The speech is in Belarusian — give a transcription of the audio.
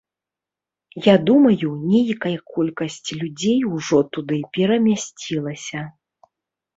Я думаю, нейкая колькасць людзей ужо туды перамясцілася.